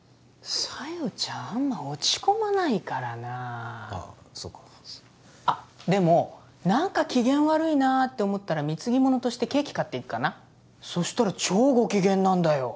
小夜ちゃんあんま落ち込まないからなあそうかあっでも何か機嫌悪いなって思ったら貢ぎ物としてケーキ買っていくかなそしたら超ご機嫌なんだよ